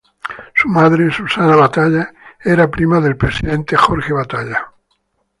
Su madre, Susana Batlle, era prima del presidente Jorge Batlle.